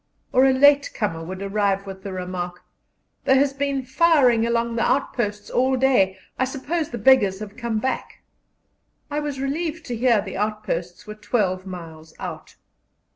or a late comer would arrive with the remark: "There has been firing along the outposts all day. I suppose the beggars have come back." (I was relieved to hear the outposts were twelve miles out.)